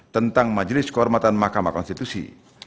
tentang majelis kehormatan mahkamah konstitusi